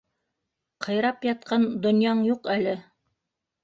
Ҡыйрап ятҡан донъяң юҡ әле.